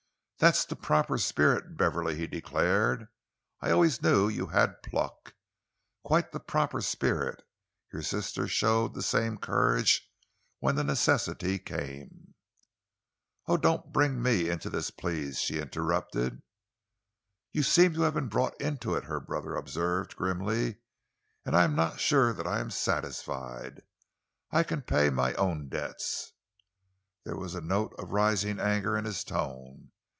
"That's the proper spirit, Beverley," he declared. "I always knew you had pluck. Quite the proper spirit! Your sister showed the same courage when the necessity came." "Oh, don't bring me into this, please!" she interrupted. "You seem to have been brought into it," her brother observed grimly, "and I'm not sure that I am satisfied. I can pay my own debts." There was a note of rising anger in his tone.